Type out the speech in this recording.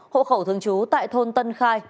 hộ khẩu thường trú tại thôn tân khai